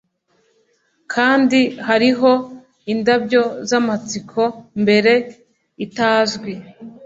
kandi hariho indabyo zamatsiko, mbere itazwi